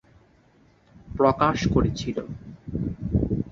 প্রকাশ করেছিল।